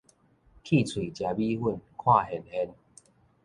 缺喙食米粉，看現現